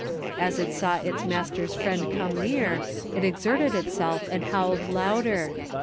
As it saw its master's friend come near, it exerted itself and howled louder.